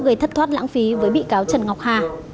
gây thất thoát lãng phí với bị cáo trần ngọc hà